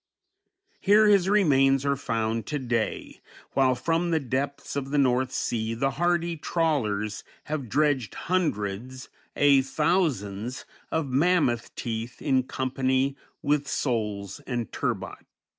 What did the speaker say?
Here his remains are found to day, while from the depths of the North Sea the hardy trawlers have dredged hundreds, aye thousands, of mammoth teeth in company with soles and turbot.